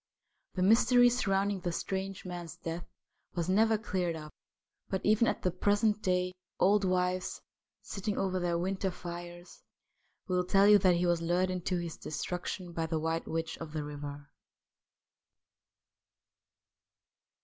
The mystery surrounding the strange man's death was never cleared up, but, even at the present day, old wives, sitting over their winter fires, will tell you that he was lured to his destruction by the White Witch of the River.